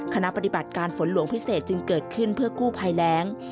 คณะปฏิบัติการฝนหลวงพิเศษจึงเกิดขึ้นเพื่อกู้ภัยแรง